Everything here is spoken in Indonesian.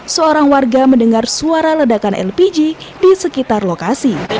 seorang warga mendengar suara ledakan lpg di sekitar lokasi